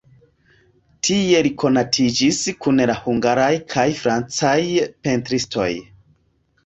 Tie li konatiĝis kun la hungaraj kaj francaj pentristoj.